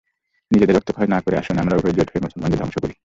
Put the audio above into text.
নিজেদের রক্তক্ষয় না করে আসুন, আমরা উভয়ে জোট হয়ে মুসলমানদের ধ্বংস করি।